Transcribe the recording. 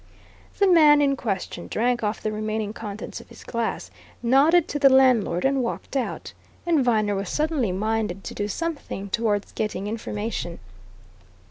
The man in question drank off the remaining contents of his glass, nodded to the landlord, and walked out. And Viner was suddenly minded to do something towards getting information.